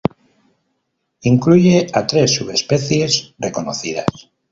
Incluye a tres subespecies reconocidas.